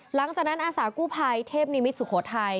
หลังจากนั้นอาสากู้ภัยเทพนิมิตรสุโขทัย